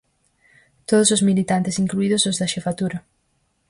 Todos os militantes, incluídos os da xefatura.